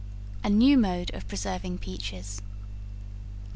A New Mode of Preserving Peaches.